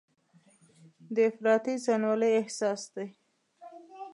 دا افراطي ځانولۍ احساس دی.